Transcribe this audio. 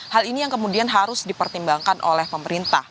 hal ini yang kemudian harus dipertimbangkan oleh pemerintah